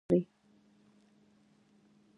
او يا به ټول عمر دوايانې خوري -